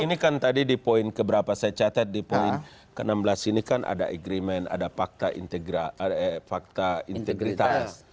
ini kan tadi di poin keberapa saya catat di poin ke enam belas ini kan ada agreement ada fakta integritas